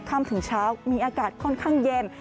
ค่ำถึงเช้ามีอากาศค่อนข้างเย็น